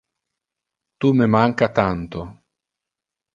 Tu me manca tanto.